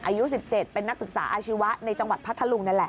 อายุ๑๗เป็นนักศึกษาอาชีวะในจังหวัดพัทธลุงนั่นแหละ